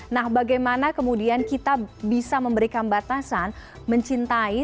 nah bagaimana kemudian kita bisa memberikan batasan mencintai